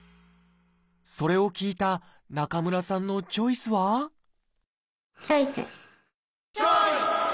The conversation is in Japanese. それを聞いた中村さんのチョイスはチョイス！